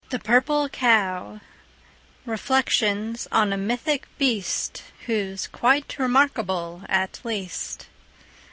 The Purple Cow (Reflections on a Mythic Beast Who's Quite Remarkable, at Least.)